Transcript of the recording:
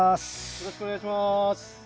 よろしくお願いします。